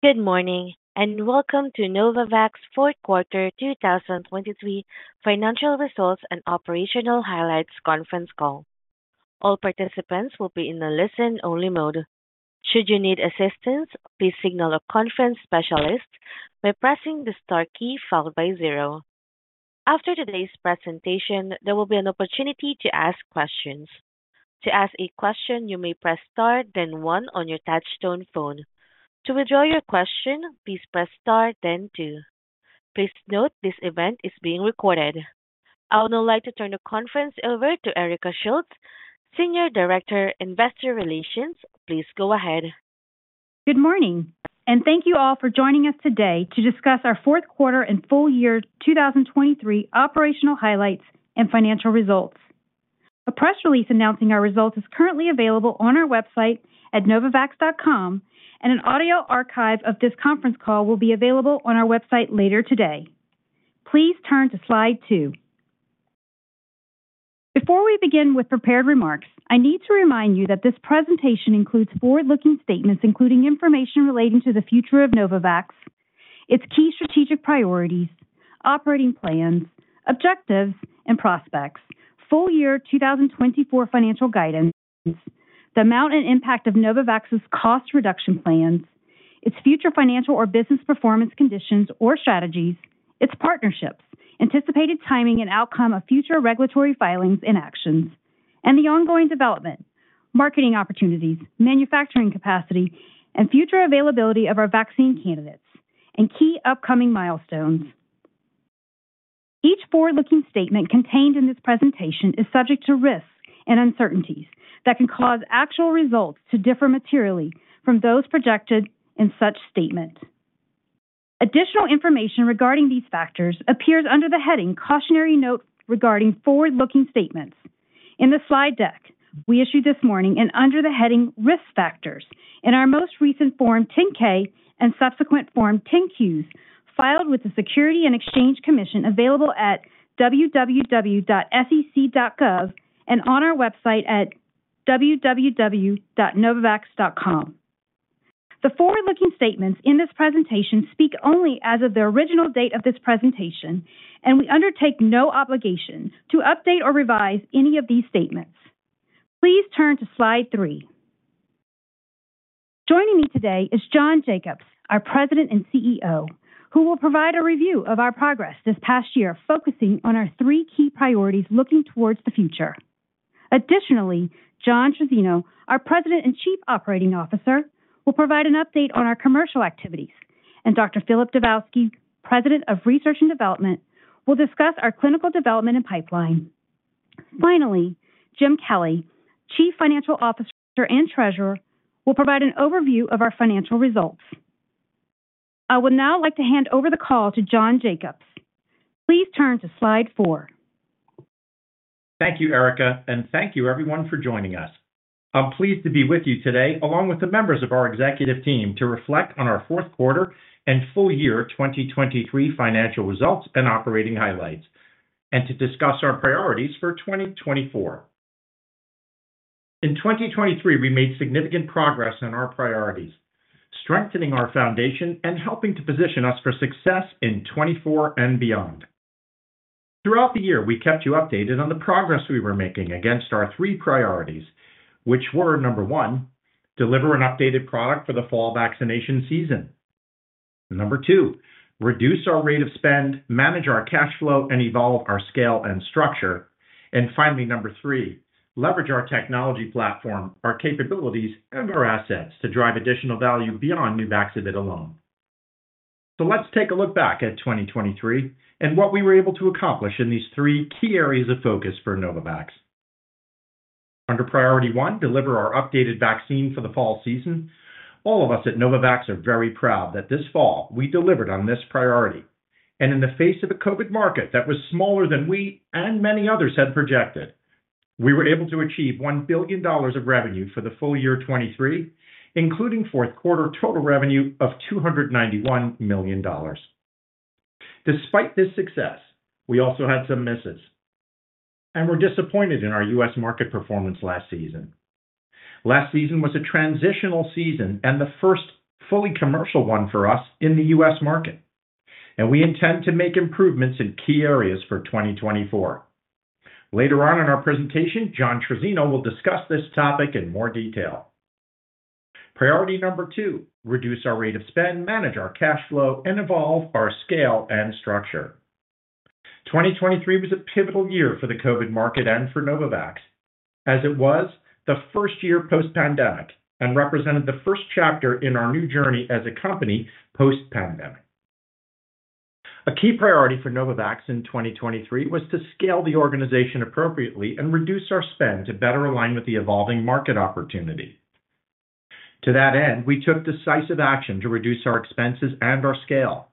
Good morning and welcome to Novavax Fourth Quarter 2023 Financial Results and Operational Highlights conference call. All participants will be in the listen-only mode. Should you need assistance, please signal a conference specialist by pressing the star key followed by zero. After today's presentation, there will be an opportunity to ask questions. To ask a question, you may press star then one on your Touch-Tone phone. To withdraw your question, please press star then two. Please note this event is being recorded. I would now like to turn the conference over to Erika Schultz, Senior Director, Investor Relations. Please go ahead. Good morning, and thank you all for joining us today to discuss our fourth quarter and full year 2023 operational highlights and financial results. A press release announcing our results is currently available on our website at novavax.com, and an audio archive of this conference call will be available on our website later today. Please turn to slide two. Before we begin with prepared remarks, I need to remind you that this presentation includes forward-looking statements including information relating to the future of Novavax, its key strategic priorities, operating plans, objectives, and prospects, full year 2024 financial guidance, the amount and impact of Novavax's cost reduction plans, its future financial or business performance conditions or strategies, its partnerships, anticipated timing and outcome of future regulatory filings and actions, and the ongoing development, marketing opportunities, manufacturing capacity, and future availability of our vaccine candidates, and key upcoming milestones. Each forward-looking statement contained in this presentation is subject to risks and uncertainties that can cause actual results to differ materially from those projected in such statements. Additional information regarding these factors appears under the heading "Cautionary Note Regarding Forward-Looking Statements." In the slide deck we issued this morning and under the heading "Risk Factors" in our most recent Form 10-K and subsequent Form 10-Qs filed with the Securities and Exchange Commission, available at www.sec.gov and on our website at www.novavax.com. The forward-looking statements in this presentation speak only as of the original date of this presentation, and we undertake no obligation to update or revise any of these statements. Please turn to slide slide. Joining me today is John Jacobs, our President and CEO, who will provide a review of our progress this past year focusing on our three key priorities looking towards the future. Additionally, John Trizzino, our President and Chief Operating Officer, will provide an update on our commercial activities, and Dr. Filip Dubovsky, President of Research and Development, will discuss our clinical development and pipeline. Finally, Jim Kelly, Chief Financial Officer and Treasurer, will provide an overview of our financial results. I would now like to hand over the call to John Jacobs. Please turn to slide four. Thank you, Erika, and thank you everyone for joining us. I'm pleased to be with you today along with the members of our executive team to reflect on our fourth quarter and full year 2023 financial results and operating highlights, and to discuss our priorities for 2024. In 2023, we made significant progress in our priorities, strengthening our foundation and helping to position us for success in 2024 and beyond. Throughout the year, we kept you updated on the progress we were making against our three priorities, which were, number one, deliver an updated product for the fall vaccination season; number two, reduce our rate of spend, manage our cash flow, and evolve our scale and structure; and finally, number three, leverage our technology platform, our capabilities, and our assets to drive additional value beyond new vaccine alone. So let's take a look back at 2023 and what we were able to accomplish in these three key areas of focus for Novavax. Under priority one, deliver our updated vaccine for the fall season. All of us at Novavax are very proud that this fall we delivered on this priority, and in the face of a COVID market that was smaller than we and many others had projected, we were able to achieve $1 billion of revenue for the full year 2023, including fourth quarter total revenue of $291 million. Despite this success, we also had some misses, and we're disappointed in our U.S. market performance last season. Last season was a transitional season and the first fully commercial one for us in the U.S. market, and we intend to make improvements in key areas for 2024. Later on in our presentation, John Trizzino will discuss this topic in more detail. Priority number two, reduce our rate of spend, manage our cash flow, and evolve our scale and structure. 2023 was a pivotal year for the COVID market and for Novavax, as it was the first year post-pandemic and represented the first chapter in our new journey as a company post-pandemic. A key priority for Novavax in 2023 was to scale the organization appropriately and reduce our spend to better align with the evolving market opportunity. To that end, we took decisive action to reduce our expenses and our scale.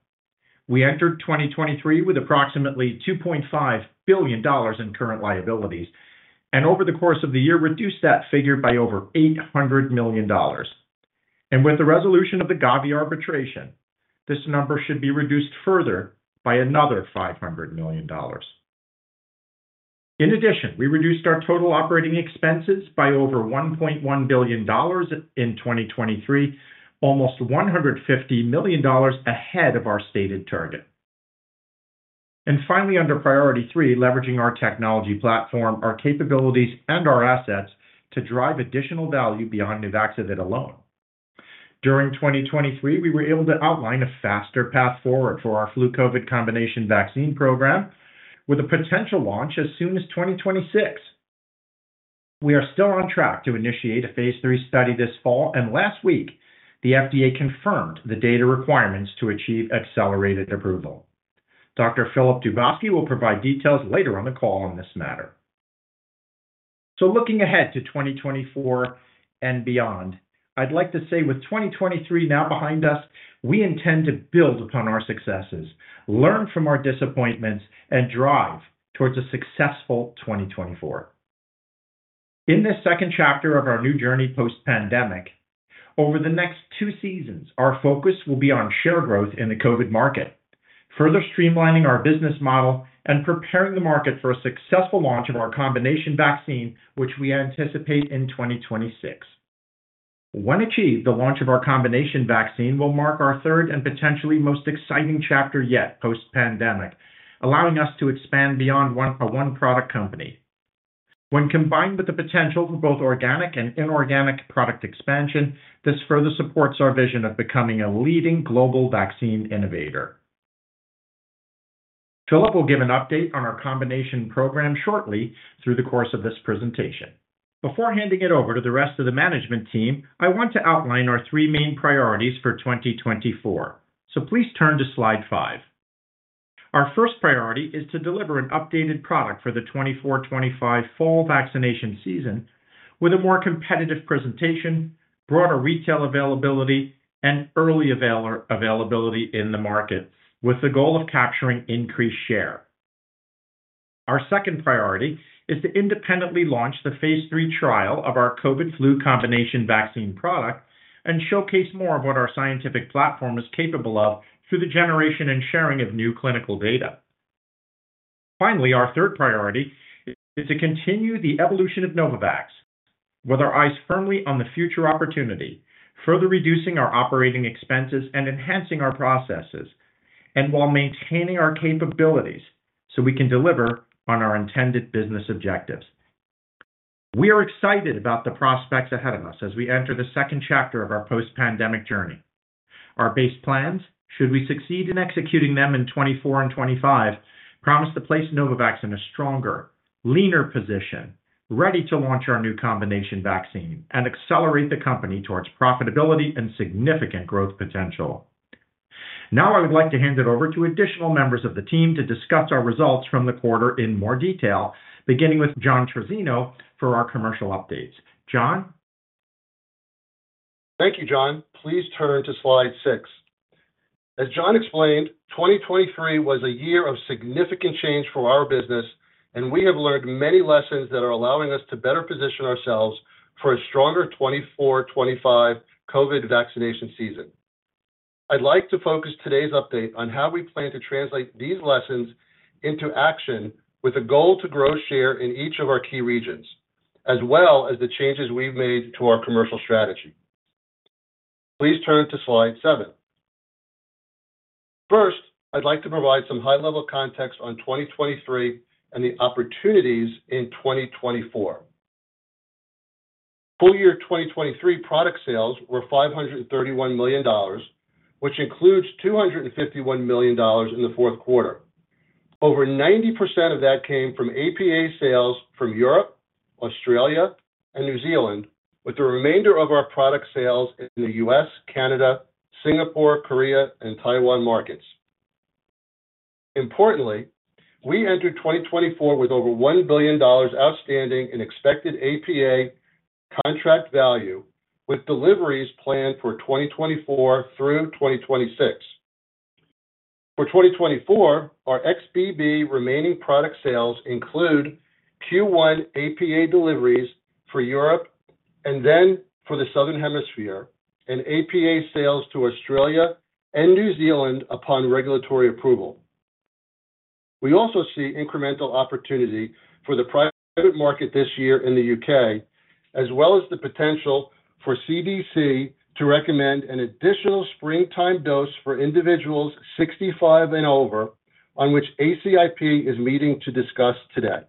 We entered 2023 with approximately $2.5 billion in current liabilities, and over the course of the year reduced that figure by over $800 million. With the resolution of the Gavi arbitration, this number should be reduced further by another $500 million. In addition, we reduced our total operating expenses by over $1.1 billion in 2023, almost $150 million ahead of our stated target. And finally, under priority three, leveraging our technology platform, our capabilities, and our assets to drive additional value beyond new vaccine alone. During 2023, we were able to outline a faster path forward for our flu/COVID combination vaccine program with a potential launch as soon as 2026. We are still on track to initiate a phase III study this fall, and last week, the FDA confirmed the data requirements to achieve accelerated approval. Dr. Filip Dubovsky will provide details later on the call on this matter. So looking ahead to 2024 and beyond, I'd like to say, with 2023 now behind us, we intend to build upon our successes, learn from our disappointments, and drive towards a successful 2024. In this second chapter of our new journey post-pandemic, over the next two seasons, our focus will be on share growth in the COVID market, further streamlining our business model and preparing the market for a successful launch of our combination vaccine, which we anticipate in 2026. When achieved, the launch of our combination vaccine will mark our third and potentially most exciting chapter yet post-pandemic, allowing us to expand beyond a one-product company. When combined with the potential for both organic and inorganic product expansion, this further supports our vision of becoming a leading global vaccine innovator. Filip will give an update on our combination program shortly through the course of this presentation. Before handing it over to the rest of the management team, I want to outline our three main priorities for 2024. Please turn to slide five. Our first priority is to deliver an updated product for the 2024, 2025 fall vaccination season with a more competitive presentation, broader retail availability, and early availability in the market with the goal of capturing increased share. Our second priority is to independently launch the phase III trial of our COVID/flu combination vaccine product and showcase more of what our scientific platform is capable of through the generation and sharing of new clinical data. Finally, our third priority is to continue the evolution of Novavax, with our eyes firmly on the future opportunity, further reducing our operating expenses and enhancing our processes, and while maintaining our capabilities so we can deliver on our intended business objectives. We are excited about the prospects ahead of us as we enter the second chapter of our post-pandemic journey. Our base plans, should we succeed in executing them in 2024 and 2025, promise to place Novavax in a stronger, leaner position, ready to launch our new combination vaccine and accelerate the company towards profitability and significant growth potential. Now I would like to hand it over to additional members of the team to discuss our results from the quarter in more detail, beginning with John Trizzino for our commercial updates. John? Thank you, John. Please turn to slide six. As John explained, 2023 was a year of significant change for our business, and we have learned many lessons that are allowing us to better position ourselves for a stronger 2024, 2025 COVID vaccination season. I'd like to focus today's update on how we plan to translate these lessons into action with a goal to grow share in each of our key regions, as well as the changes we've made to our commercial strategy. Please turn to slide seven. First, I'd like to provide some high-level context on 2023 and the opportunities in 2024. Full year 2023 product sales were $531 million, which includes $251 million in the fourth quarter. Over 90% of that came from APA sales from Europe, Australia, and New Zealand, with the remainder of our product sales in the U.S., Canada, Singapore, Korea, and Taiwan markets. Importantly, we entered 2024 with over $1 billion outstanding in expected APA contract value, with deliveries planned for 2024 through 2026. For 2024, our XBB remaining product sales include Q1 APA deliveries for Europe and then for the Southern Hemisphere, and APA sales to Australia and New Zealand upon regulatory approval. We also see incremental opportunity for the private market this year in the U.K., as well as the potential for CDC to recommend an additional springtime dose for individuals 65 and over, on which ACIP is meeting to discuss today.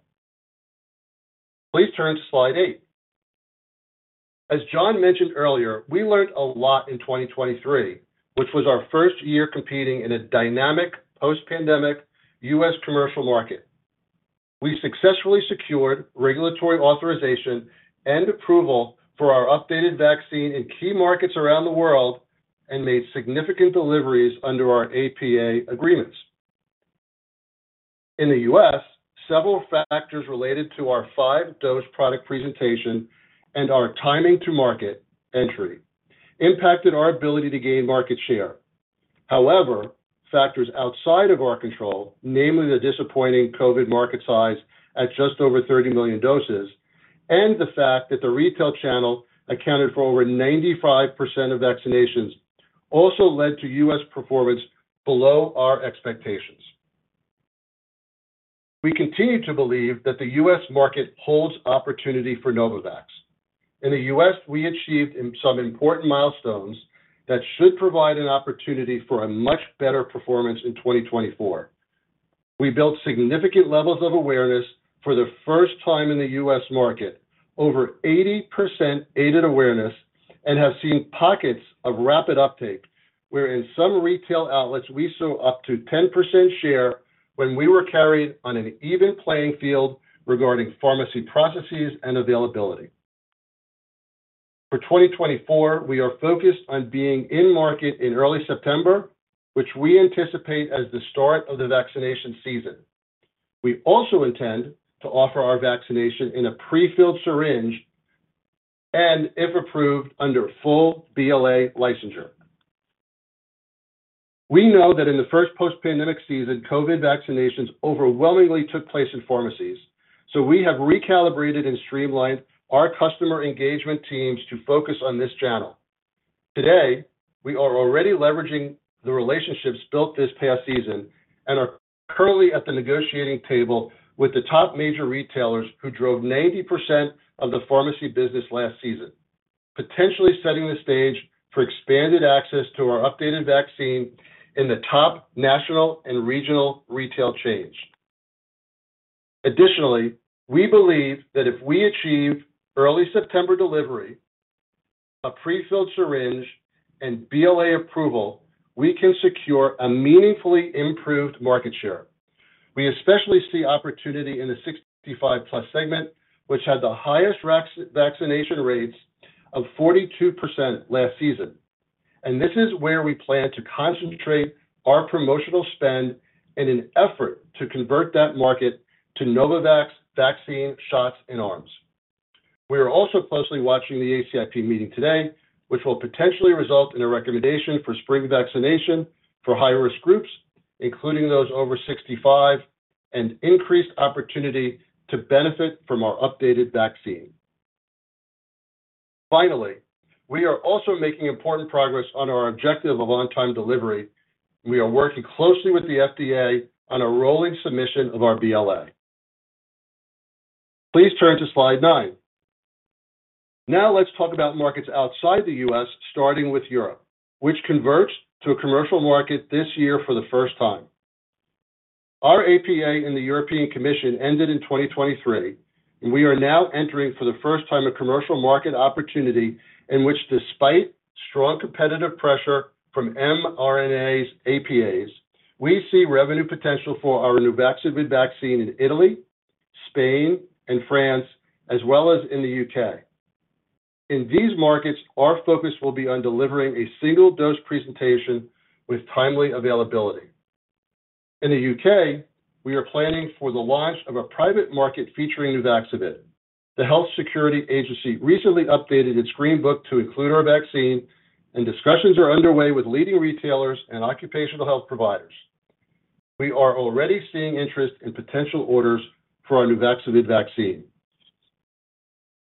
Please turn to slide eight. As John mentioned earlier, we learned a lot in 2023, which was our first year competing in a dynamic post-pandemic U.S. commercial market. We successfully secured regulatory authorization and approval for our updated vaccine in key markets around the world and made significant deliveries under our APA agreements. In the U.S., several factors related to our five-dose product presentation and our timing to market entry impacted our ability to gain market share. However, factors outside of our control, namely the disappointing COVID market size at just over 30 million doses and the fact that the retail channel accounted for over 95% of vaccinations, also led to U.S. performance below our expectations. We continue to believe that the U.S. market holds opportunity for Novavax. In the U.S., we achieved some important milestones that should provide an opportunity for a much better performance in 2024. We built significant levels of awareness for the first time in the U.S. market, over 80% aided awareness, and have seen pockets of rapid uptake where in some retail outlets we saw up to 10% share when we were carried on an even playing field regarding pharmacy processes and availability. For 2024, we are focused on being in market in early September, which we anticipate as the start of the vaccination season. We also intend to offer our vaccination in a prefilled syringe and, if approved, under full BLA licensure. We know that in the first post-pandemic season, COVID vaccinations overwhelmingly took place in pharmacies, so we have recalibrated and streamlined our customer engagement teams to focus on this channel. Today, we are already leveraging the relationships built this past season and are currently at the negotiating table with the top major retailers who drove 90% of the pharmacy business last season, potentially setting the stage for expanded access to our updated vaccine in the top national and regional retail chains. Additionally, we believe that if we achieve early September delivery, a prefilled syringe, and BLA approval, we can secure a meaningfully improved market share. We especially see opportunity in the 65+ segment, which had the highest vaccination rates of 42% last season. This is where we plan to concentrate our promotional spend in an effort to convert that market to Novavax vaccine shots in arms. We are also closely watching the ACIP meeting today, which will potentially result in a recommendation for spring vaccination for high-risk groups, including those over 65, and increased opportunity to benefit from our updated vaccine. Finally, we are also making important progress on our objective of on-time delivery. We are working closely with the FDA on a rolling submission of our BLA. Please turn to slide nine. Now let's talk about markets outside the U.S., starting with Europe, which converts to a commercial market this year for the first time. Our APA in the European Commission ended in 2023, and we are now entering for the first time a commercial market opportunity in which, despite strong competitive pressure from mRNAs/APAs, we see revenue potential for our Nuvaxovid vaccine in Italy, Spain, and France, as well as in the U.K. In these markets, our focus will be on delivering a single-dose presentation with timely availability. In the U.K., we are planning for the launch of a private market featuring Nuvaxovid. The Health Security Agency recently updated its Green Book to include our vaccine, and discussions are underway with leading retailers and occupational health providers. We are already seeing interest in potential orders for our Nuvaxovid vaccine.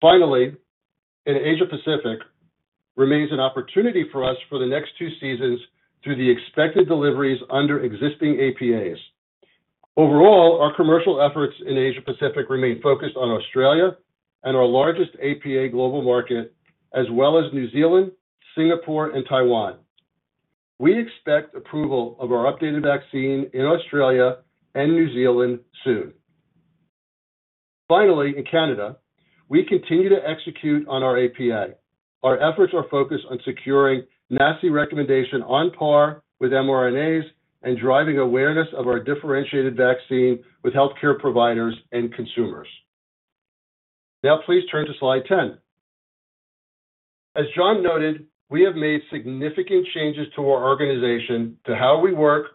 Finally, in Asia-Pacific, remains an opportunity for us for the next two seasons through the expected deliveries under existing APAs. Overall, our commercial efforts in Asia-Pacific remain focused on Australia and our largest APA global market, as well as New Zealand, Singapore, and Taiwan. We expect approval of our updated vaccine in Australia and New Zealand soon. Finally, in Canada, we continue to execute on our APA. Our efforts are focused on securing NACI recommendation on par with mRNAs and driving awareness of our differentiated vaccine with healthcare providers and consumers. Now please turn to slide 10. As John noted, we have made significant changes to our organization, to how we work,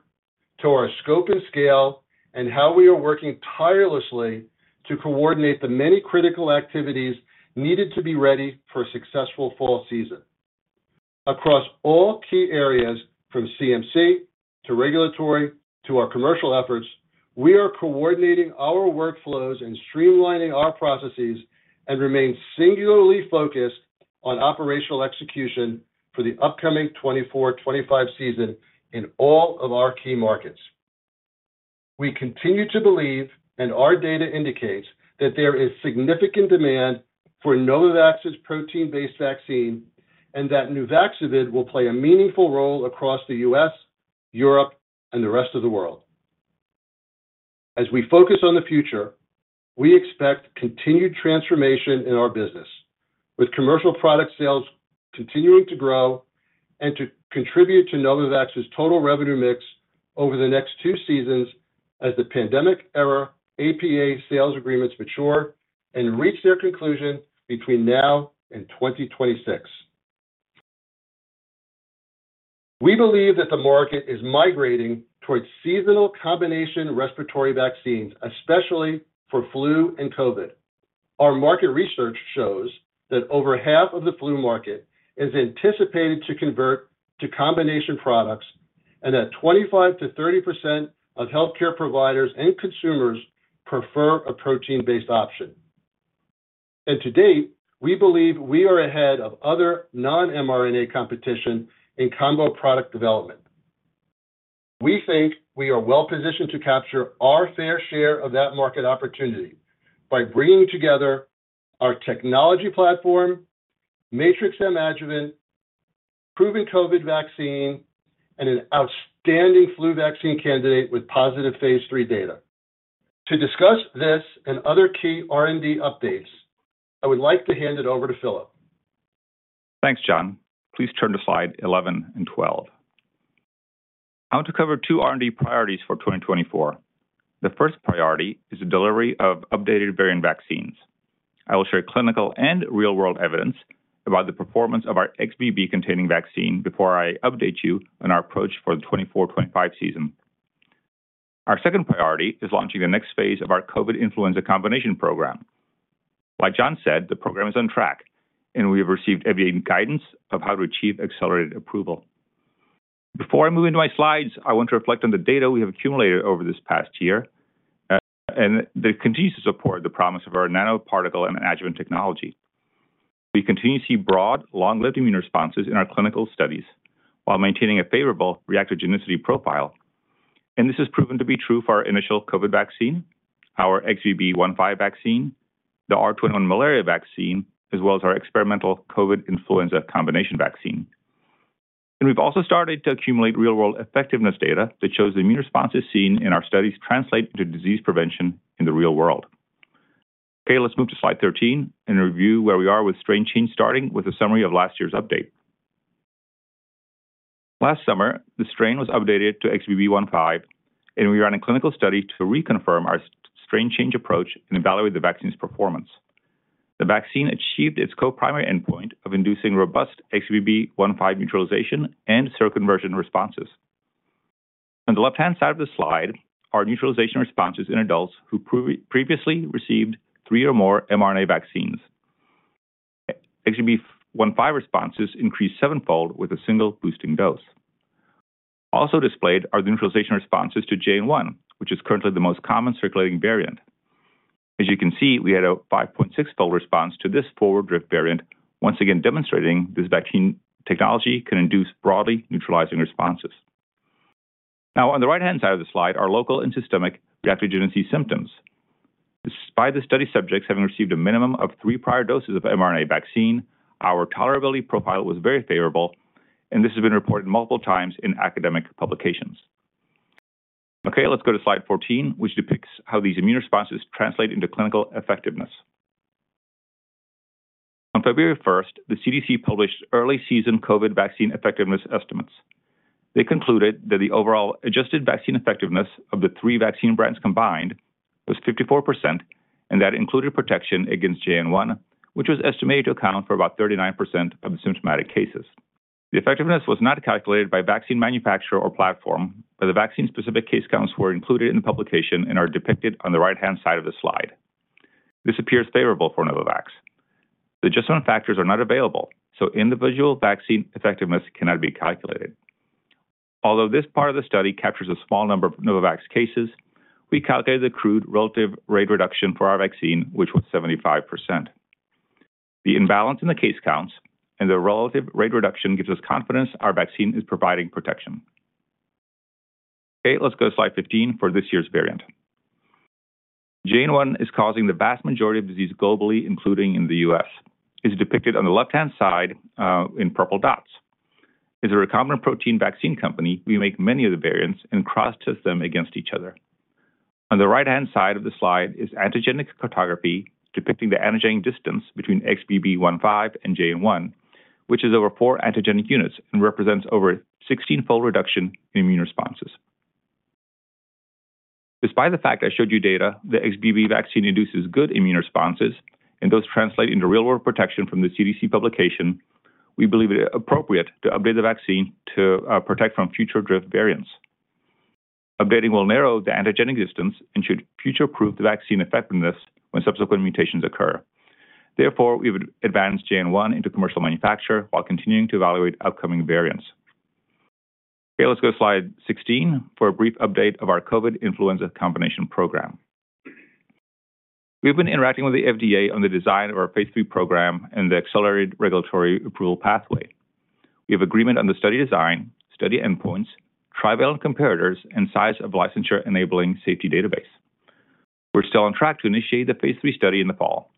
to our scope and scale, and how we are working tirelessly to coordinate the many critical activities needed to be ready for a successful fall season. Across all key areas, from CMC to regulatory to our commercial efforts, we are coordinating our workflows and streamlining our processes and remain singularly focused on operational execution for the upcoming 2024, 2025 season in all of our key markets. We continue to believe, and our data indicates, that there is significant demand for Novavax's protein-based vaccine and that Nuvaxovid will play a meaningful role across the U.S., Europe, and the rest of the world. As we focus on the future, we expect continued transformation in our business, with commercial product sales continuing to grow and to contribute to Novavax's total revenue mix over the next two seasons as the pandemic era, APA sales agreements mature, and reach their conclusion between now and 2026. We believe that the market is migrating towards seasonal combination respiratory vaccines, especially for flu and COVID. Our market research shows that over half of the flu market is anticipated to convert to combination products and that 25%-30% of healthcare providers and consumers prefer a protein-based option. To date, we believe we are ahead of other non-mRNA competition in combo product development. We think we are well-positioned to capture our fair share of that market opportunity by bringing together our technology platform, Matrix-M adjuvant, proven COVID vaccine, and an outstanding flu vaccine candidate with positive phase III data. To discuss this and other key R&D updates, I would like to hand it over to Filip. Thanks, John. Please turn to slide 11 and 12. Now to cover two R&D priorities for 2024. The first priority is the delivery of updated variant vaccines. I will share clinical and real-world evidence about the performance of our XBB-containing vaccine before I update you on our approach for the 2024/2025 season. Our second priority is launching the next phase of our COVID-influenza combination program. Like John said, the program is on track, and we have received EUA guidance of how to achieve accelerated approval. Before I move into my slides, I want to reflect on the data we have accumulated over this past year and that continues to support the promise of our nanoparticle and adjuvant technology. We continue to see broad, long-lived immune responses in our clinical studies while maintaining a favorable reactogenicity profile, and this has proven to be true for our initial COVID vaccine, our XBB.1.5 vaccine, the R21 malaria vaccine, as well as our experimental COVID-influenza combination vaccine. And we've also started to accumulate real-world effectiveness data that shows the immune responses seen in our studies translate into disease prevention in the real world. Okay, let's move to slide 13 and review where we are with strain change, starting with a summary of last year's update. Last summer, the strain was updated to XBB.1.5, and we ran a clinical study to reconfirm our strain change approach and evaluate the vaccine's performance. The vaccine achieved its co-primary endpoint of inducing robust XBB.1.5 neutralization and seroconversion responses. On the left-hand side of the slide are neutralization responses in adults who previously received three or more mRNA vaccines. XBB.1.5 responses increased sevenfold with a single boosting dose. Also displayed are the neutralization responses to JN.1, which is currently the most common circulating variant. As you can see, we had a five point six fold response to this forward-drift variant, once again demonstrating this vaccine technology can induce broadly neutralizing responses. Now, on the right-hand side of the slide are local and systemic reactogenicity symptoms. Despite the study subjects having received a minimum of three prior doses of mRNA vaccine, our tolerability profile was very favorable, and this has been reported multiple times in academic publications. Okay, let's go to slide 14, which depicts how these immune responses translate into clinical effectiveness. On February 1st, the CDC published early-season COVID vaccine effectiveness estimates. They concluded that the overall adjusted vaccine effectiveness of the three vaccine brands combined was 54% and that it included protection against JN.1, which was estimated to account for about 39% of the symptomatic cases. The effectiveness was not calculated by vaccine manufacturer or platform, but the vaccine-specific case counts were included in the publication and are depicted on the right-hand side of the slide. This appears favorable for Novavax. The adjustment factors are not available, so individual vaccine effectiveness cannot be calculated. Although this part of the study captures a small number of Novavax cases, we calculated the crude relative rate reduction for our vaccine, which was 75%. The imbalance in the case counts and the relative rate reduction gives us confidence our vaccine is providing protection. Okay, let's go to slide 15 for this year's variant. JN.1 is causing the vast majority of disease globally, including in the U.S. It's depicted on the left-hand side in purple dots. As a recombinant protein vaccine company, we make many of the variants and cross-test them against each other. On the right-hand side of the slide is antigenic cartography, depicting the antigenic distance between XBB.1.5 and JN.1, which is over four antigenic units and represents over a 16-fold reduction in immune responses. Despite the fact I showed you data, the XBB vaccine induces good immune responses, and those translate into real-world protection from the CDC publication. We believe it is appropriate to update the vaccine to protect from future drift variants. Updating will narrow the antigenic distance and should future-proof the vaccine effectiveness when subsequent mutations occur. Therefore, we have advanced JN.1 into commercial manufacture while continuing to evaluate upcoming variants. Okay, let's go to slide 16 for a brief update of our COVID-influenza combination program. We've been interacting with the FDA on the design of our phase III program and the accelerated regulatory approval pathway. We have agreement on the study design, study endpoints, trivalent comparators, and size of licensure-enabling safety database. We're still on track to initiate the phase III study in the fall.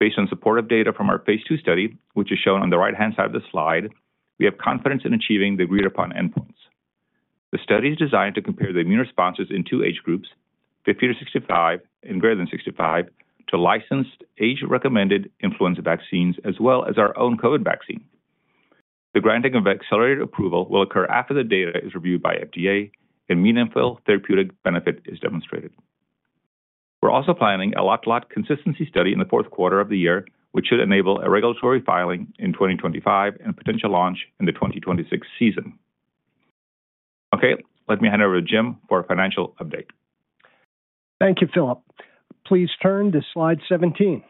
Based on supportive data from our phase II study, which is shown on the right-hand side of the slide, we have confidence in achieving the agreed-upon endpoints. The study is designed to compare the immune responses in two age groups, 50-65 and greater than 65, to licensed age-recommended influenza vaccines as well as our own COVID vaccine. The granting of accelerated approval will occur after the data is reviewed by the FDA and meaningful therapeutic benefit is demonstrated. We're also planning a lot consistency study in the fourth quarter of the year, which should enable regulatory filing in 2025 and potential launch in the 2026 season. Okay, let me hand over to Jim for a financial update. Thank you, Filip. Please turn to slide 17.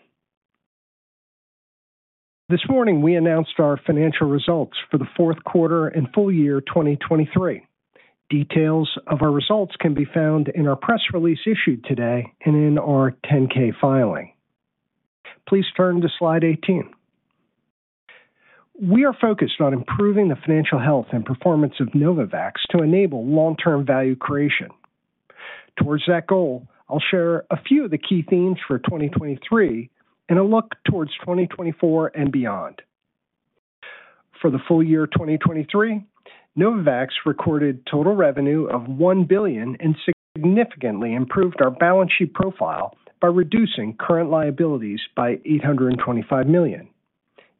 This morning, we announced our financial results for the fourth quarter and full year 2023. Details of our results can be found in our press release issued today and in our 10-K filing. Please turn to slide 18. We are focused on improving the financial health and performance of Novavax to enable long-term value creation. Toward that goal, I'll share a few of the key themes for 2023 and a look toward 2024 and beyond. For the full year 2023, Novavax recorded total revenue of $1 billion and significantly improved our balance sheet profile by reducing current liabilities by $825 million.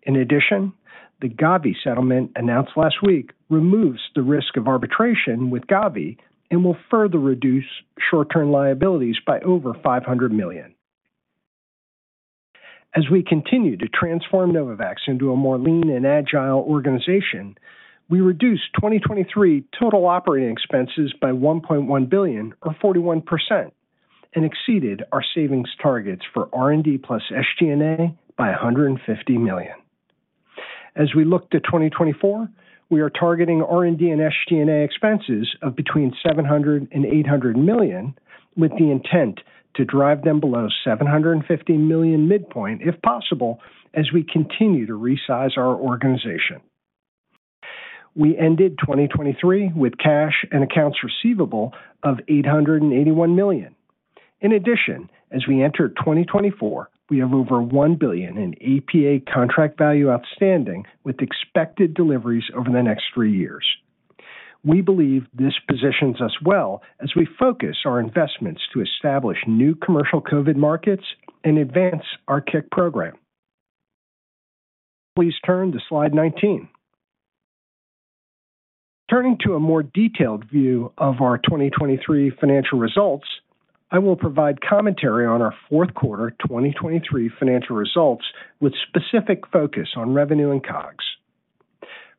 In addition, the Gavi settlement announced last week removes the risk of arbitration with Gavi and will further reduce short-term liabilities by over $500 million. As we continue to transform Novavax into a more lean and agile organization, we reduced 2023 total operating expenses by $1.1 billion or 41% and exceeded our savings targets for R&D plus SG&A by $150 million. As we look to 2024, we are targeting R&D and SG&A expenses of between $700-$800 million with the intent to drive them below $750 million midpoint if possible as we continue to resize our organization. We ended 2023 with cash and accounts receivable of $881 million. In addition, as we enter 2024, we have over $1 billion in APA contract value outstanding with expected deliveries over the next three years. We believe this positions us well as we focus our investments to establish new commercial COVID markets and advance our CIC program. Please turn to slide 19. Turning to a more detailed view of our 2023 financial results, I will provide commentary on our fourth quarter 2023 financial results with specific focus on revenue and COGS.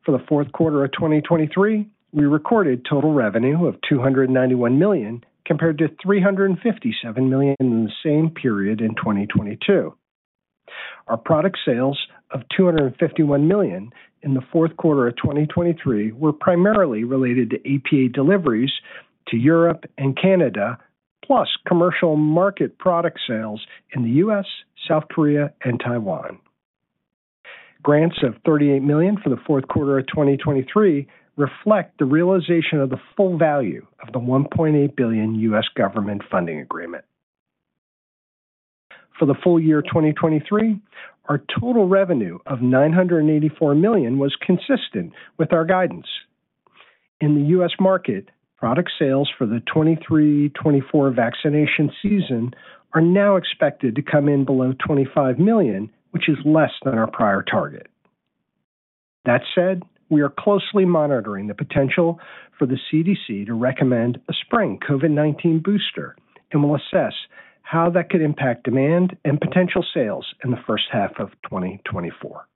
For the fourth quarter of 2023, we recorded total revenue of $291 million compared to $357 million in the same period in 2022. Our product sales of $251 million in the fourth quarter of 2023 were primarily related to APA deliveries to Europe and Canada plus commercial market product sales in the U.S., South Korea, and Taiwan. Grants of $38 million for the fourth quarter of 2023 reflect the realization of the full value of the $1.8 billion U.S. government funding agreement. For the full year 2023, our total revenue of $984 million was consistent with our guidance. In the U.S. market, product sales for the 2023/2024 vaccination season are now expected to come in below $25 million, which is less than our prior target. That said, we are closely monitoring the potential for the CDC to recommend a spring COVID-19 booster and will assess how that could impact demand and potential sales in the first half of 2024.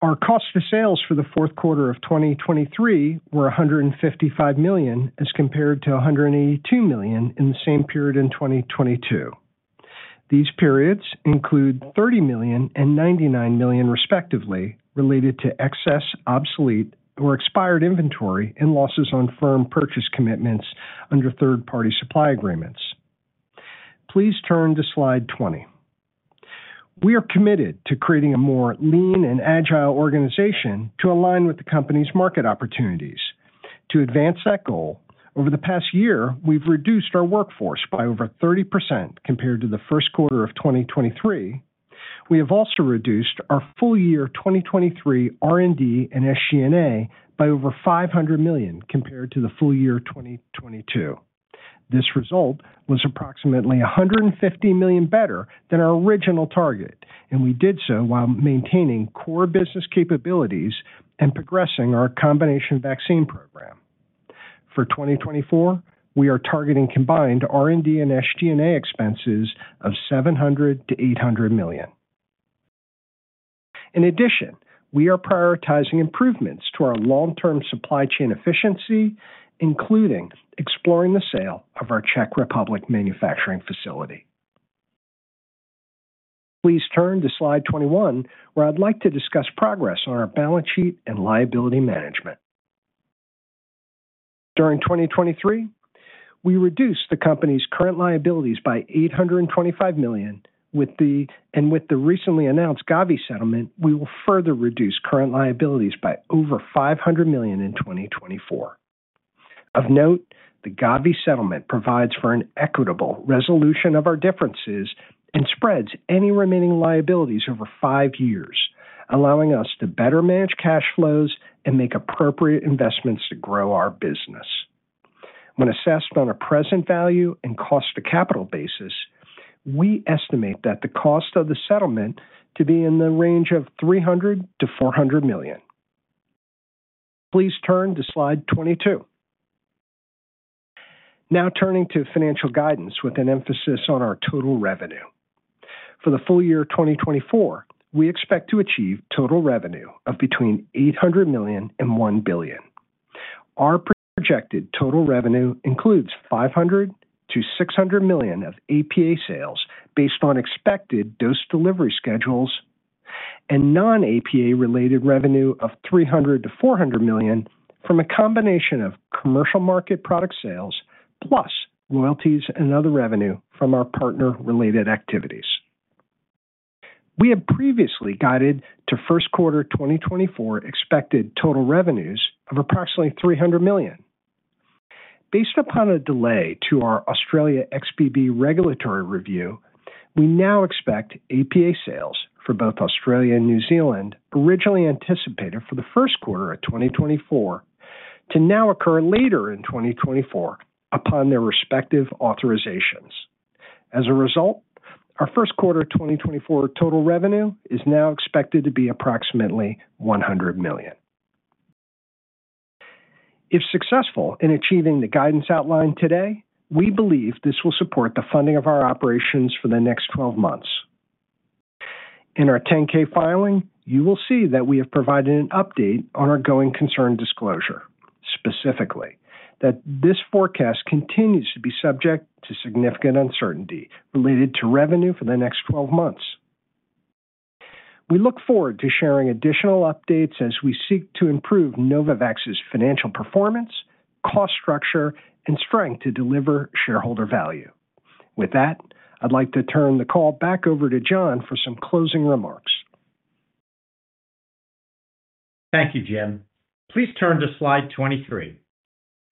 Our cost of sales for the fourth quarter of 2023 were $155 million as compared to $182 million in the same period in 2022. These periods include $30 million and $99 million respectively related to excess, obsolete, or expired inventory and losses on firm purchase commitments under third-party supply agreements. Please turn to slide 20. We are committed to creating a more lean and agile organization to align with the company's market opportunities. To advance that goal, over the past year, we've reduced our workforce by over 30% compared to the first quarter of 2023. We have also reduced our full year 2023 R&D and SG&A by over $500 million compared to the full year 2022. This result was approximately $150 million better than our original target, and we did so while maintaining core business capabilities and progressing our combination vaccine program. For 2024, we are targeting combined R&D and SG&A expenses of $700-$800 million. In addition, we are prioritizing improvements to our long-term supply chain efficiency, including exploring the sale of our Czech Republic manufacturing facility. Please turn to slide 21, where I'd like to discuss progress on our balance sheet and liability management. During 2023, we reduced the company's current liabilities by $825 million, and with the recently announced Gavi settlement, we will further reduce current liabilities by over $500 million in 2024. Of note, the Gavi settlement provides for an equitable resolution of our differences and spreads any remaining liabilities over five years, allowing us to better manage cash flows and make appropriate investments to grow our business. When assessed on a present value and cost of capital basis, we estimate that the cost of the settlement to be in the range of $300-$400 million. Please turn to slide 22. Now turning to financial guidance with an emphasis on our total revenue. For the full year 2024, we expect to achieve total revenue of between $800 million and $1 billion. Our projected total revenue includes $500-$600 million of APA sales based on expected dose delivery schedules and non-APA-related revenue of $300-$400 million from a combination of commercial market product sales plus royalties and other revenue from our partner-related activities. We have previously guided to first quarter 2024 expected total revenues of approximately $300 million. Based upon a delay to our Australia XBB regulatory review, we now expect APA sales for both Australia and New Zealand, originally anticipated for the first quarter of 2024, to now occur later in 2024 upon their respective authorizations. As a result, our first quarter 2024 total revenue is now expected to be approximately $100 million. If successful in achieving the guidance outlined today, we believe this will support the funding of our operations for the next 12 months. In our 10-K filing, you will see that we have provided an update on our going concern disclosure, specifically that this forecast continues to be subject to significant uncertainty related to revenue for the next 12 months. We look forward to sharing additional updates as we seek to improve Novavax's financial performance, cost structure, and strength to deliver shareholder value. With that, I'd like to turn the call back over to John for some closing remarks. Thank you, Jim. Please turn to slide 23.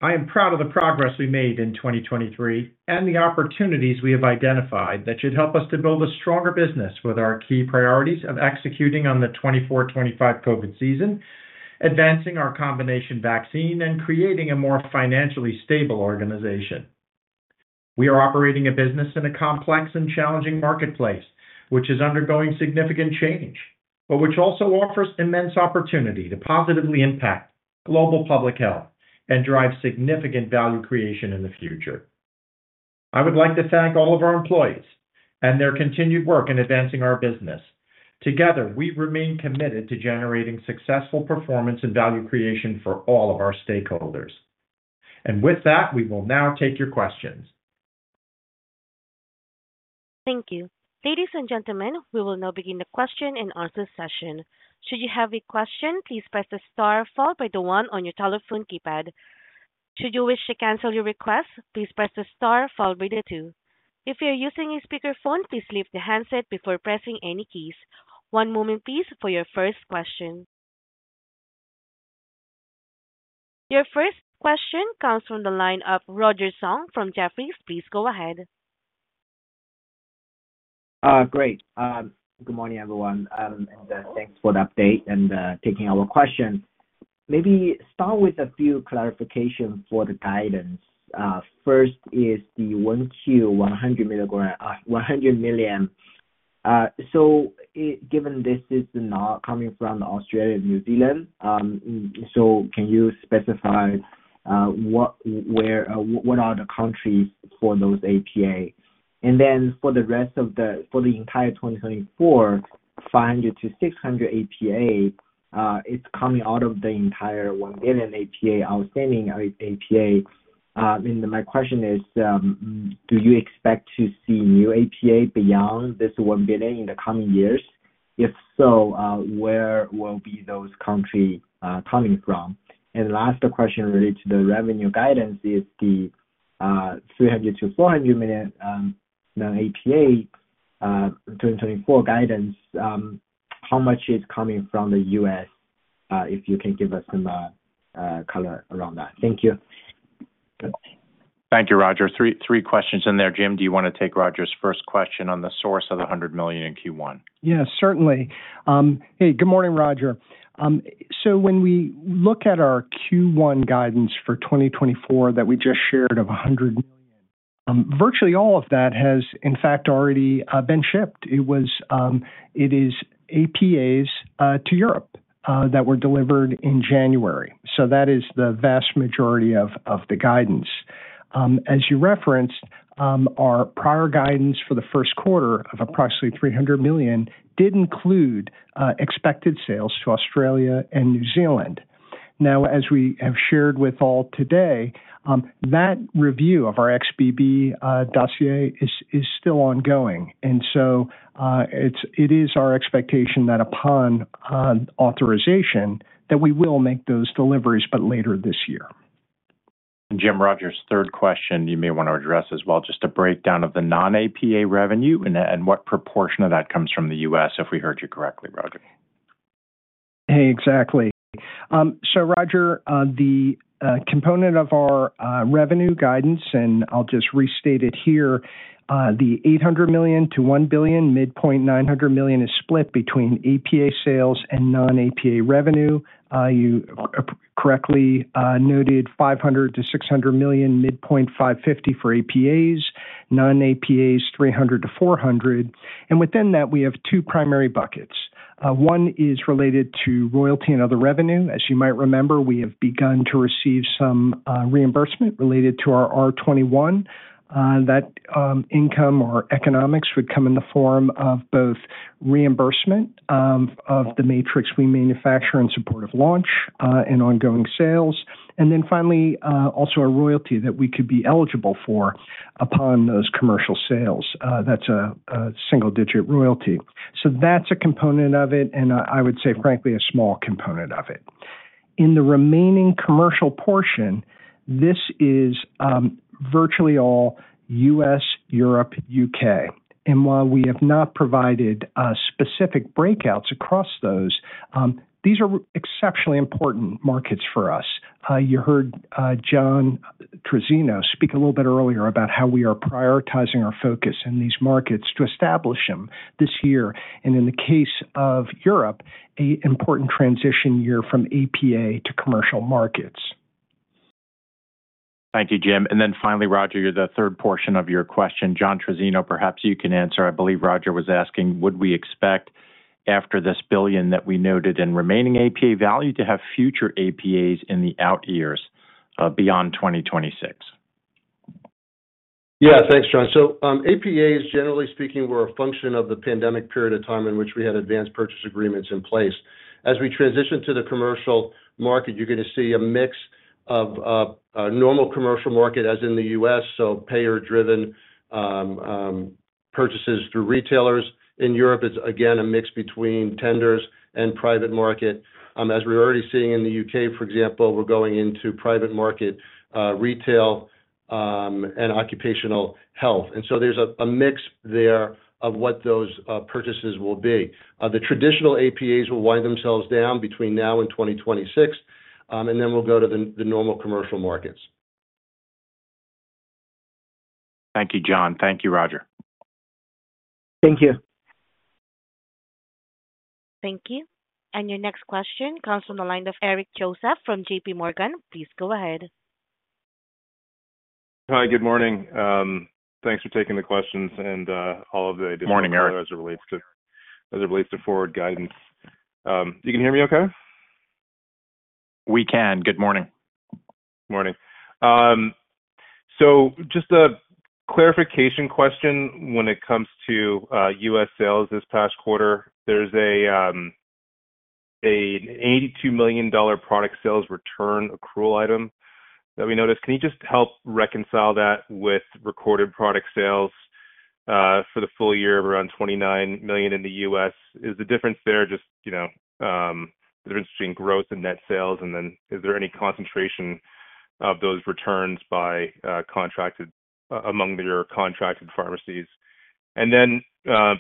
I am proud of the progress we made in 2023 and the opportunities we have identified that should help us to build a stronger business with our key priorities of executing on the 2024/2025 COVID season, advancing our combination vaccine, and creating a more financially stable organization. We are operating a business in a complex and challenging marketplace, which is undergoing significant change, but which also offers immense opportunity to positively impact global public health and drive significant value creation in the future. I would like to thank all of our employees and their continued work in advancing our business. Together, we remain committed to generating successful performance and value creation for all of our stakeholders. With that, we will now take your questions. Thank you. Ladies and gentlemen, we will now begin the question and answer session. Should you have a question, please press the star followed by the one on your telephone keypad. Should you wish to cancel your request, please press the star followed by the two. If you are using a speakerphone, please leave the handset before pressing any keys. One moment, please, for your first question. Your first question comes from the lineup Roger Song from Jefferies. Please go ahead. Great. Good morning, everyone, and thanks for the update and taking our question. Maybe start with a few clarifications for the guidance. First is the 1Q $100 million. So given this is not coming from Australia and New Zealand, can you specify what are the countries for those APA? And then for the rest of the entire 2024, $500 million-$600 million APA, it's coming out of the entire $1 billion APA outstanding APA. And my question is, do you expect to see new APA beyond this $1 billion in the coming years? If so, where will be those countries coming from? And the last question related to the revenue guidance is the $300 million-$400 million APA 2024 guidance. How much is coming from the U.S.? If you can give us some color around that. Thank you. Thank you, Roger. Three questions in there. Jim, do you want to take Roger's first question on the source of the $100 million in Q1? Yeah, certainly. Hey, good morning, Roger. So when we look at our Q1 guidance for 2024 that we just shared of $100 million, virtually all of that has, in fact, already been shipped. It is APAs to Europe that were delivered in January. So that is the vast majority of the guidance. As you referenced, our prior guidance for the first quarter of approximately $300 million did include expected sales to Australia and New Zealand. Now, as we have shared with all today, that review of our XBB dossier is still ongoing. And so it is our expectation that upon authorization, that we will make those deliveries, but later this year. Jim, Roger's third question, you may want to address as well, just a breakdown of the non-APA revenue and what proportion of that comes from the U.S., if we heard you correctly, Roger. Exactly. So Roger, the component of our revenue guidance, and I'll just restate it here, the $800 million-$1 billion, midpoint $900 million is split between APA sales and non-APA revenue. You correctly noted $500-$600 million, midpoint $550 million for APAs, non-APAs $300-$400 million. And within that, we have two primary buckets. One is related to royalty and other revenue. As you might remember, we have begun to receive some reimbursement related to our R21. That income or economics would come in the form of both reimbursement of the Matrix-M we manufacture in support of launch and ongoing sales. And then finally, also a royalty that we could be eligible for upon those commercial sales. That's a single-digit royalty. So that's a component of it, and I would say, frankly, a small component of it. In the remaining commercial portion, this is virtually all U.S., Europe, UK. While we have not provided specific breakouts across those, these are exceptionally important markets for us. You heard John Trizzino speak a little bit earlier about how we are prioritizing our focus in these markets to establish them this year. In the case of Europe, an important transition year from APA to commercial markets. Thank you, Jim. And then finally, Roger, you're the third portion of your question. John Trizzino, perhaps you can answer. I believe Roger was asking, would we expect after $1 billion that we noted in remaining APA value to have future APAs in the out years beyond 2026? Yeah, thanks, John. So APAs, generally speaking, were a function of the pandemic period of time in which we had advanced purchase agreements in place. As we transition to the commercial market, you're going to see a mix of normal commercial market as in the U.S., so payer-driven purchases through retailers. In Europe, it's, again, a mix between tenders and private market. As we're already seeing in the U.K., for example, we're going into private market retail and occupational health. And so there's a mix there of what those purchases will be. The traditional APAs will wind themselves down between now and 2026, and then we'll go to the normal commercial markets. Thank you, John. Thank you, Roger. Thank you. Thank you. Your next question comes from the line of Eric Joseph from JPMorgan. Please go ahead. Hi, good morning. Thanks for taking the questions and all of the. Morning, Eric. Questions as it relates to forward guidance. You can hear me okay? We can. Good morning. Morning. So just a clarification question when it comes to U.S. sales this past quarter. There's an $82 million product sales return accrual item that we noticed. Can you just help reconcile that with recorded product sales for the full year of around $29 million in the U.S.? Is the difference there just the difference between gross and net sales, and then is there any concentration of those returns among your contracted pharmacies? And then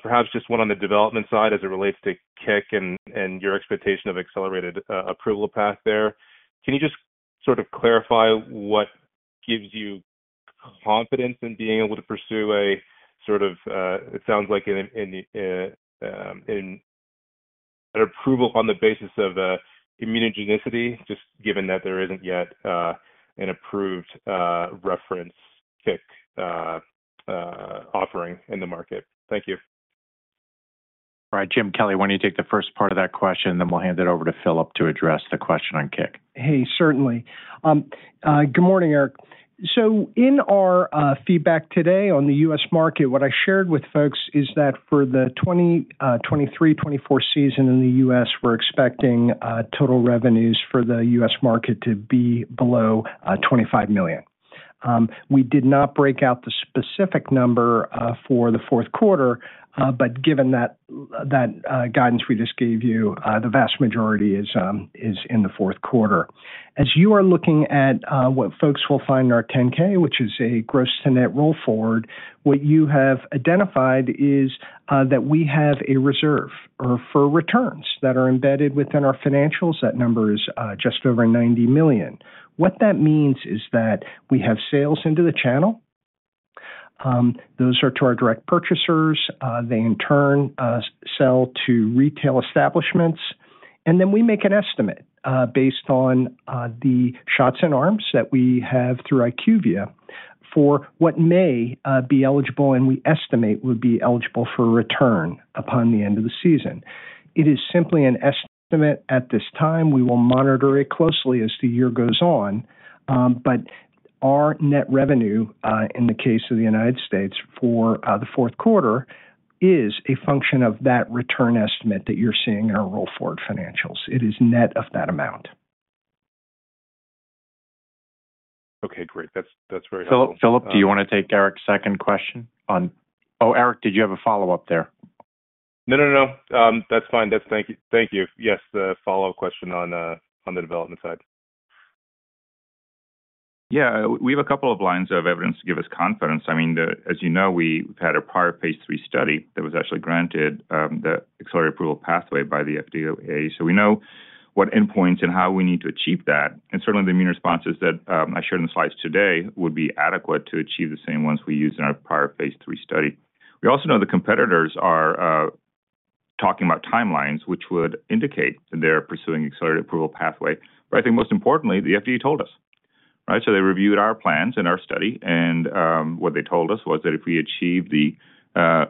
perhaps just one on the development side as it relates to CIC and your expectation of accelerated approval path there. Can you just sort of clarify what gives you confidence in being able to pursue a sort of it sounds like an approval on the basis of immunogenicity, just given that there isn't yet an approved reference CIC offering in the market. Thank you. All right, Jim Kelly, why don't you take the first part of that question, and then we'll hand it over to Filip to address the question on CIC. Hey, certainly. Good morning, Eric. So in our feedback today on the U.S. market, what I shared with folks is that for the 2023, 2024 season in the U.S., we're expecting total revenues for the U.S. market to be below $25 million. We did not break out the specific number for the fourth quarter, but given that guidance we just gave you, the vast majority is in the fourth quarter. As you are looking at what folks will find in our 10-K, which is a gross-to-net roll forward, what you have identified is that we have a reserve for returns that are embedded within our financials. That number is just over $90 million. What that means is that we have sales into the channel. Those are to our direct purchasers. They, in turn, sell to retail establishments. We make an estimate based on the shots in arms that we have through IQVIA for what may be eligible and we estimate would be eligible for return upon the end of the season. It is simply an estimate at this time. We will monitor it closely as the year goes on. Our net revenue, in the case of the United States for the fourth quarter, is a function of that return estimate that you're seeing in our roll forward financials. It is net of that amount. Okay, great. That's very helpful. Filip, do you want to take Eric's second question? Oh, Eric, did you have a follow-up there? No, no, no. That's fine. Thank you. Yes, the follow-up question on the development side. Yeah, we have a couple of lines of evidence to give us confidence. I mean, as you know, we've had a prior phase III study that was actually granted the accelerated approval pathway by the FDA. So we know what endpoints and how we need to achieve that. And certainly, the immune responses that I shared in the slides today would be adequate to achieve the same ones we used in our prior phase III study. We also know the competitors are talking about timelines, which would indicate that they're pursuing accelerated approval pathway. But I think most importantly, the FDA told us, right? So they reviewed our plans and our study. And what they told us was that if we achieve the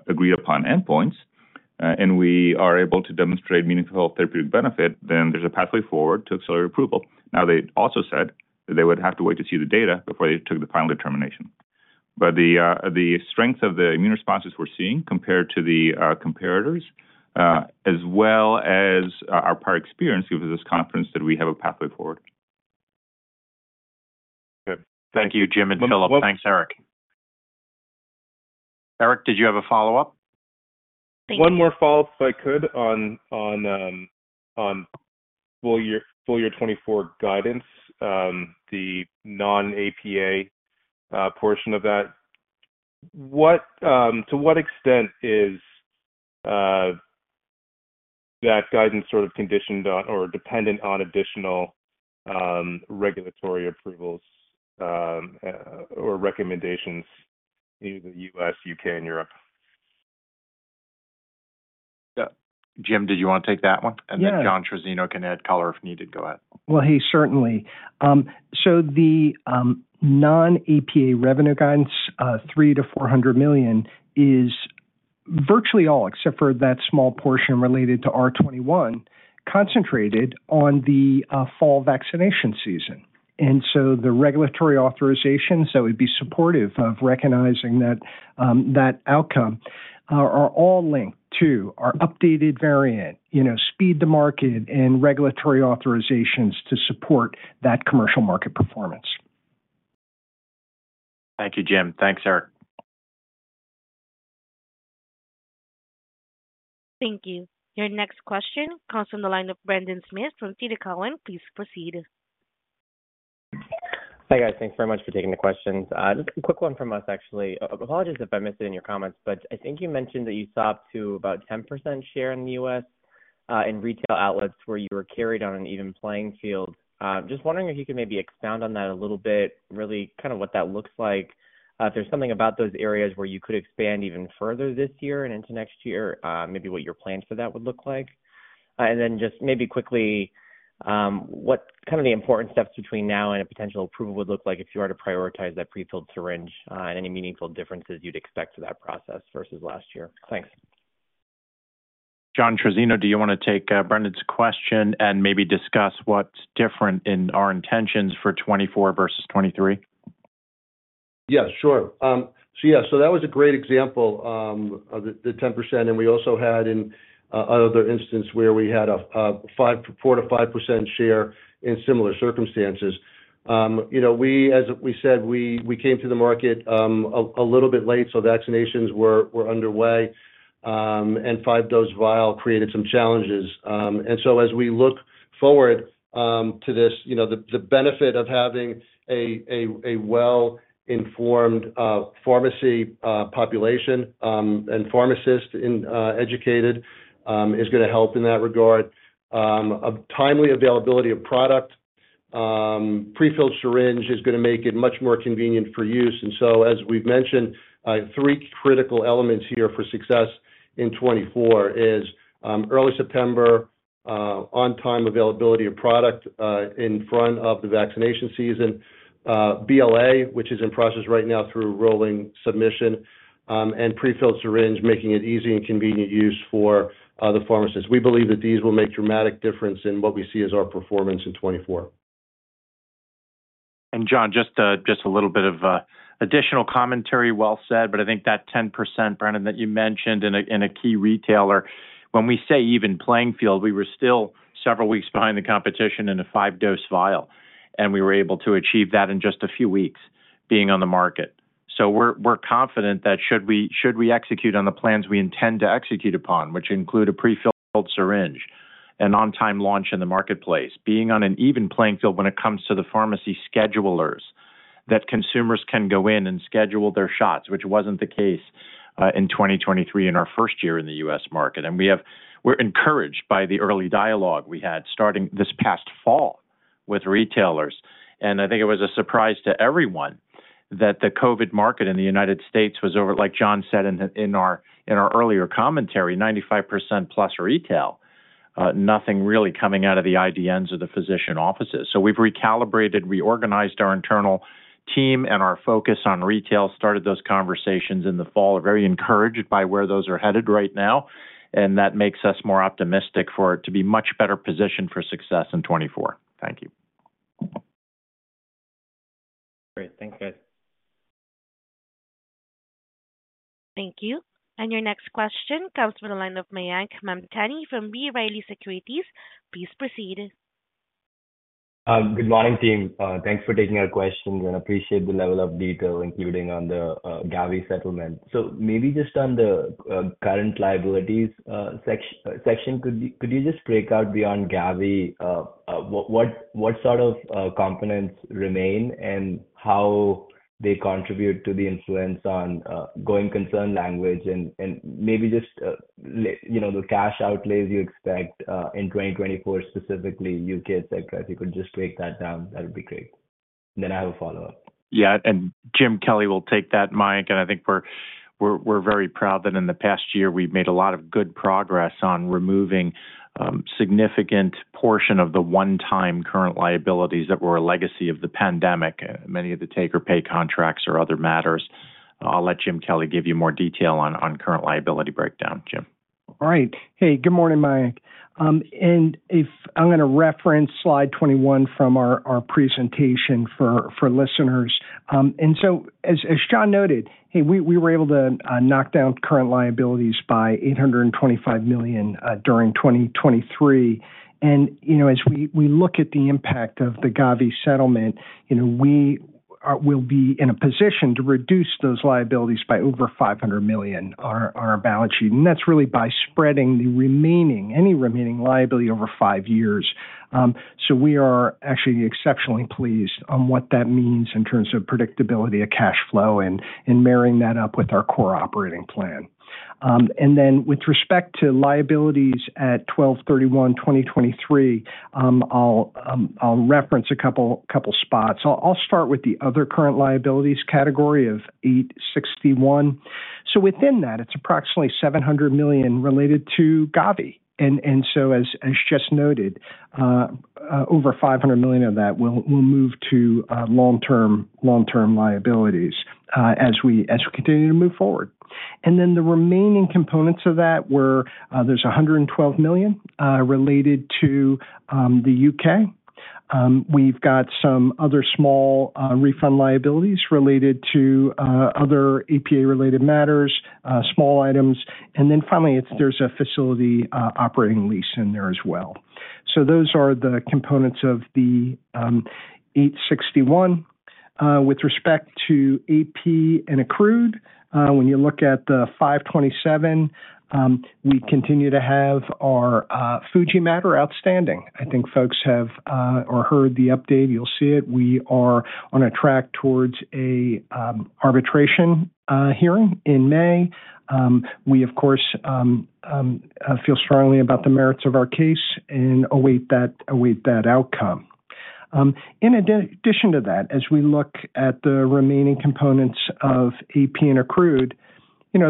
agreed-upon endpoints and we are able to demonstrate meaningful therapeutic benefit, then there's a pathway forward to accelerate approval. Now, they also said that they would have to wait to see the data before they took the final determination. But the strength of the immune responses we're seeing compared to the competitors, as well as our prior experience, gives us confidence that we have a pathway forward. Okay. Thank you, Jim and Filip. Thanks, Eric. Eric, did you have a follow-up? One more follow-up if I could on full year 2024 guidance, the non-APA portion of that. To what extent is that guidance sort of conditioned on or dependent on additional regulatory approvals or recommendations in the U.S., U.K., and Europe? Jim, did you want to take that one? And then John Trizzino can add color if needed. Go ahead. Well, he certainly. So the non-APA revenue guidance, $3 million to $400 million, is virtually all except for that small portion related to R21, concentrated on the fall vaccination season. And so the regulatory authorizations that would be supportive of recognizing that outcome are all linked to our updated variant, speed to market, and regulatory authorizations to support that commercial market performance. Thank you, Jim. Thanks, Eric. Thank you. Your next question comes from the line of Brendan Smith from TD Cowen. Please proceed. Hey, guys. Thanks very much for taking the questions. Just a quick one from us, actually. Apologies if I missed it in your comments, but I think you mentioned that you sought to about 10% share in the U.S. in retail outlets where you were carried on an even playing field. Just wondering if you could maybe expound on that a little bit, really kind of what that looks like. If there's something about those areas where you could expand even further this year and into next year, maybe what your plan for that would look like. And then just maybe quickly, what kind of the important steps between now and a potential approval would look like if you were to prioritize that prefilled syringe and any meaningful differences you'd expect to that process versus last year. Thanks. John Trizzino, do you want to take Brandon's question and maybe discuss what's different in our intentions for 2024 versus 2023? Yes, sure. So yeah, so that was a great example, the 10%. And we also had another instance where we had a 4%-5% share in similar circumstances. As we said, we came to the market a little bit late, so vaccinations were underway. And five-dose vial created some challenges. And so as we look forward to this, the benefit of having a well-informed pharmacy population and pharmacists educated is going to help in that regard. A timely availability of product, prefilled syringe is going to make it much more convenient for use. And so, as we've mentioned, three critical elements here for success in 2024 is early September, on-time availability of product in front of the vaccination season, BLA, which is in process right now through rolling submission, and prefilled syringe, making it easy and convenient use for the pharmacists. We believe that these will make a dramatic difference in what we see as our performance in 2024. John, just a little bit of additional commentary, well said. But I think that 10%, Brandon, that you mentioned in a key retailer, when we say even playing field, we were still several weeks behind the competition in a five-dose vial. We were able to achieve that in just a few weeks being on the market. We're confident that should we execute on the plans we intend to execute upon, which include a prefilled syringe and on-time launch in the marketplace, being on an even playing field when it comes to the pharmacy schedulers, that consumers can go in and schedule their shots, which wasn't the case in 2023 in our first year in the U.S. market. We're encouraged by the early dialogue we had starting this past fall with retailers. I think it was a surprise to everyone that the COVID market in the United States was over, like John said in our earlier commentary, 95%+ retail, nothing really coming out of the IDNs or the physician offices. So we've recalibrated, reorganized our internal team and our focus on retail, started those conversations in the fall, are very encouraged by where those are headed right now. That makes us more optimistic for it to be a much better position for success in 2024. Thank you. Great. Thanks, guys. Thank you. Your next question comes from the line of Mayank Mamtani from B. Riley Securities. Please proceed. Good morning, team. Thanks for taking our questions. I appreciate the level of detail, including on the Gavi settlement. Maybe just on the current liabilities section, could you just break out beyond Gavi? What sort of components remain and how they contribute to the influence on going concern language and maybe just the cash outlays you expect in 2024, specifically UK, etc.? If you could just break that down, that would be great. Then I have a follow-up. Yeah. Jim Kelly will take that, Mike. I think we're very proud that in the past year, we've made a lot of good progress on removing a significant portion of the one-time current liabilities that were a legacy of the pandemic, many of the take-or-pay contracts or other matters. I'll let Jim Kelly give you more detail on current liability breakdown, Jim. All right. Hey, good morning, Mike. I'm going to reference slide 21 from our presentation for listeners. So, as John noted, hey, we were able to knock down current liabilities by $825 million during 2023. And as we look at the impact of the Gavi settlement, we will be in a position to reduce those liabilities by over $500 million on our balance sheet. And that's really by spreading any remaining liability over five years. So we are actually exceptionally pleased on what that means in terms of predictability of cash flow and marrying that up with our core operating plan. And then with respect to liabilities at 12/31/2023, I'll reference a couple of spots. I'll start with the other current liabilities category of $861 million. So within that, it's approximately $700 million related to Gavi. As just noted, over $500 million of that will move to long-term liabilities as we continue to move forward. Then the remaining components of that were there's $112 million related to the UK. We've got some other small refund liabilities related to other APA-related matters, small items. Then finally, there's a facility operating lease in there as well. So those are the components of the $861 million. With respect to AP and accrued, when you look at the $527 million, we continue to have our Fuji matter outstanding. I think folks have heard the update. You'll see it. We are on a track towards an arbitration hearing in May. We, of course, feel strongly about the merits of our case and await that outcome. In addition to that, as we look at the remaining components of AP and accrued,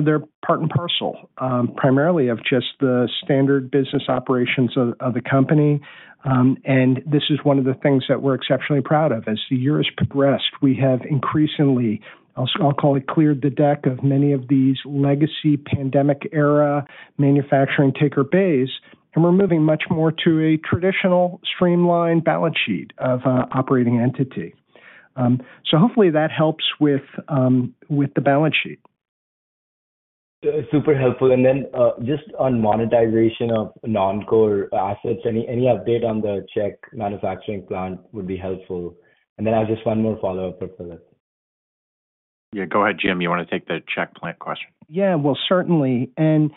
they're part and parcel, primarily of just the standard business operations of the company. And this is one of the things that we're exceptionally proud of. As the year has progressed, we have increasingly, I'll call it, cleared the deck of many of these legacy pandemic-era manufacturing take-or-pay. And we're moving much more to a traditional streamlined balance sheet of an operating entity. So hopefully, that helps with the balance sheet. Super helpful. And then just on monetization of non-core assets, any update on the Czech manufacturing plant would be helpful. And then I have just one more follow-up for Filip. Yeah, go ahead, Jim. You want to take the Czech plant question? Yeah, well, certainly. And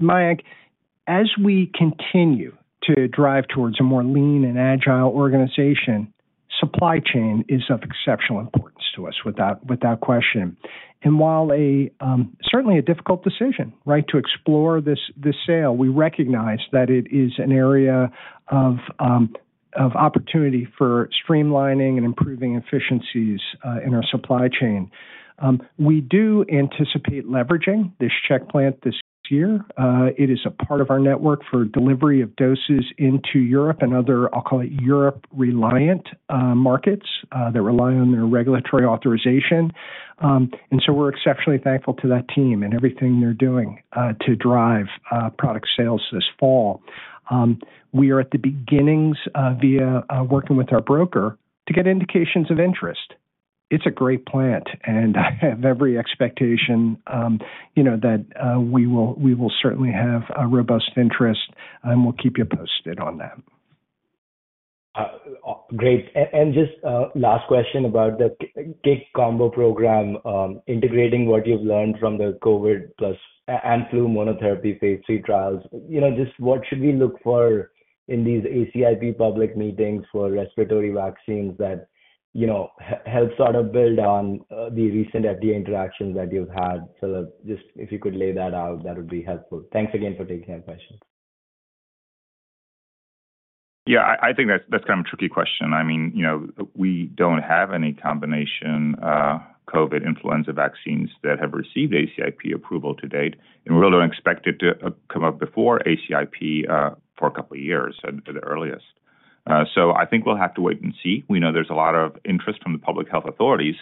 Mike, as we continue to drive towards a more lean and agile organization, supply chain is of exceptional importance to us without question. And while certainly a difficult decision, right, to explore this sale, we recognize that it is an area of opportunity for streamlining and improving efficiencies in our supply chain. We do anticipate leveraging this Czech plant this year. It is a part of our network for delivery of doses into Europe and other, I'll call it, Europe-reliant markets that rely on their regulatory authorization. And so we're exceptionally thankful to that team and everything they're doing to drive product sales this fall. We are at the beginnings via working with our broker to get indications of interest. It's a great plant. And I have every expectation that we will certainly have robust interest. And we'll keep you posted on that. Great. And just last question about the CIC combo program, integrating what you've learned from the COVID-plus and flu monotherapy phase III trials. Just what should we look for in these ACIP public meetings for respiratory vaccines that help sort of build on the recent FDA interactions that you've had? Filip, just if you could lay that out, that would be helpful. Thanks again for taking our questions. Yeah, I think that's kind of a tricky question. I mean, we don't have any combination COVID influenza vaccines that have received ACIP approval to date. And we really don't expect it to come up before ACIP for a couple of years, at the earliest. So I think we'll have to wait and see. We know there's a lot of interest from the public health authorities,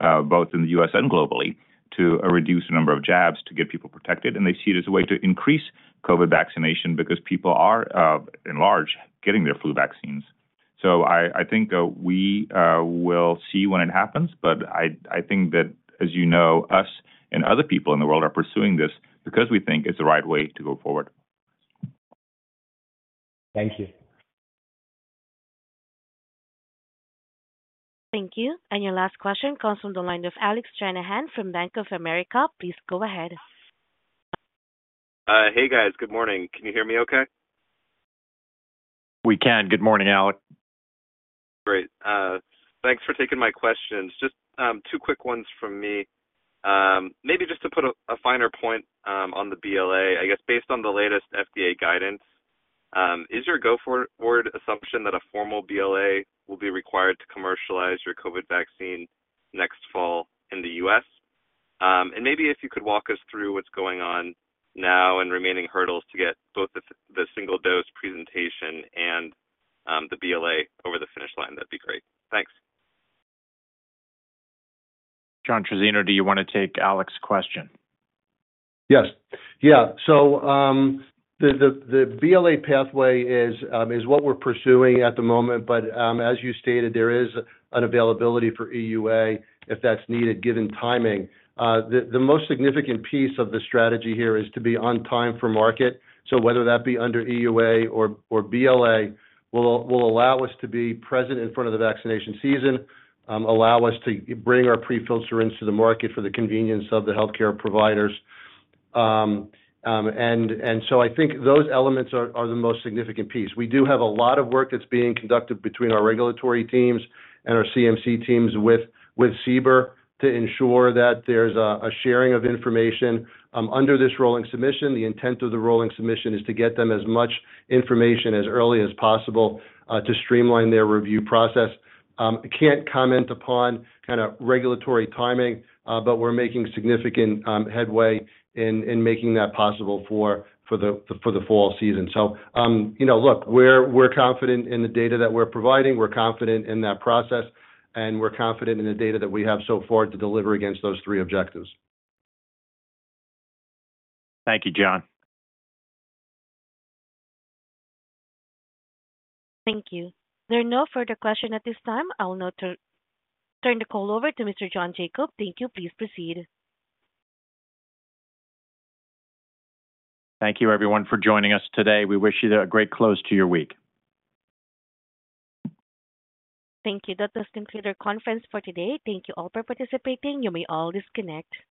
both in the U.S. and globally, to reduce the number of jabs to get people protected. And they see it as a way to increase COVID vaccination because people are, in large, getting their flu vaccines. So I think we will see when it happens. But I think that, as you know, us and other people in the world are pursuing this because we think it's the right way to go forward. Thank you. Thank you. And your last question comes from the line of Alec Stranahan from Bank of America. Please go ahead. Hey, guys. Good morning. Can you hear me okay? We can. Good morning, Alec. Great. Thanks for taking my questions. Just two quick ones from me. Maybe just to put a finer point on the BLA, I guess, based on the latest FDA guidance, is your go-forward assumption that a formal BLA will be required to commercialize your COVID vaccine next fall in the U.S.? And maybe if you could walk us through what's going on now and remaining hurdles to get both the single-dose presentation and the BLA over the finish line, that'd be great. Thanks. John Trizzino, do you want to take Alec's question? Yes. Yeah. So the BLA pathway is what we're pursuing at the moment. But as you stated, there is an availability for EUA if that's needed, given timing. The most significant piece of the strategy here is to be on time for market. So whether that be under EUA or BLA, will allow us to be present in front of the vaccination season, allow us to bring our prefilled syringe to the market for the convenience of the healthcare providers. And so I think those elements are the most significant piece. We do have a lot of work that's being conducted between our regulatory teams and our CMC teams with CBER to ensure that there's a sharing of information. Under this rolling submission, the intent of the rolling submission is to get them as much information as early as possible to streamline their review process. Can't comment upon kind of regulatory timing. But we're making significant headway in making that possible for the fall season. So look, we're confident in the data that we're providing. We're confident in that process. And we're confident in the data that we have so far to deliver against those three objectives. Thank you, John. Thank you. There are no further questions at this time. I'll now turn the call over to Mr. John Jacobs. Thank you. Please proceed. Thank you, everyone, for joining us today. We wish you a great close to your week. Thank you. That does conclude our conference for today. Thank you all for participating. You may all disconnect.